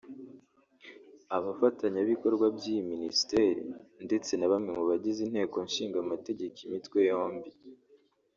abafatanya bikorwa b’iyi Minisiteri ndetse na bamwe mubagize inteko ishinga amategeko imitwe yombi